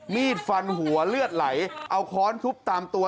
มีดฟันหัวเลือดไหลเอาค้อนทุบตามตัว